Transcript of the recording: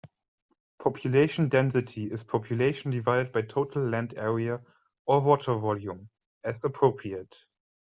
Population density is population divided by total land area or water volume, as appropriate.